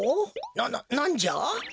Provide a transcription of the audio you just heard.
ななんじゃ？